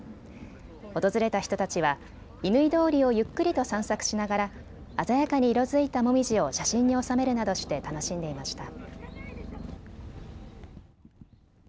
訪れた人たちは乾通りをゆっくりと散策しながら鮮やかに色づいたもみじを写真に収めるなどして楽しんでいました。